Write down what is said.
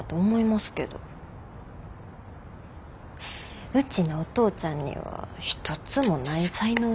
うちのお父ちゃんには一つもない才能です。